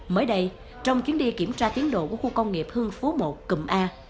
mới đây trong chuyến đi kiểm tra tiến độ của khu công nghiệp hương phố một cùm a